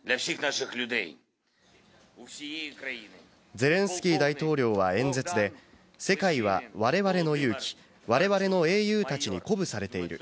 ゼレンスキー大統領は演説で、世界は我々の勇気、我々の英雄たちに鼓舞されている。